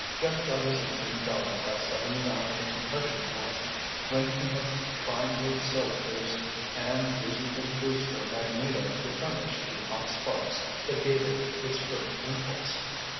Jeff got his engine going by setting it on a compression point when he had primed the cylinders and using his booster magneto to furnish the hot sparks that gave it its first impulse.